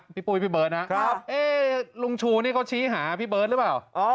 ปุ้ยพี่เบิร์ตนะครับลุงชูนี่เขาชี้หาพี่เบิร์ตหรือเปล่า